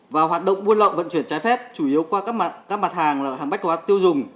và hoạt động buôn lậu vận chuyển trái phép chủ yếu qua các mặt hàng là hàng bách hóa tiêu dùng